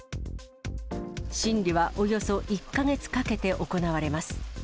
審理はおよそ１か月かけて行われます。